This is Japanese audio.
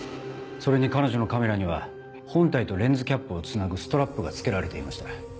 それに彼女のカメラには本体とレンズキャップをつなぐストラップが付けられていました。